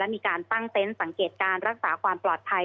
มีการตั้งเต็นต์สังเกตการรักษาความปลอดภัย